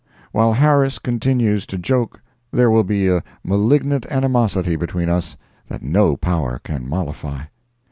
While Harris continues to joke there will be a malignant animosity between us that no power can mollify.